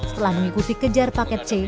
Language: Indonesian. setelah mengikuti kejar paket c